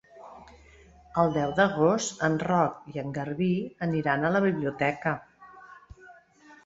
El deu d'agost en Roc i en Garbí aniran a la biblioteca.